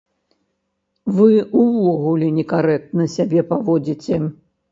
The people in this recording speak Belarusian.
Вы ўвогуле некарэктна сябе паводзіце.